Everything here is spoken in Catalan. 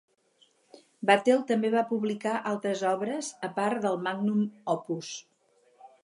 Vattel també va publicar altres obres a part del "magnum opus".